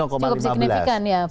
cukup signifikan ya pak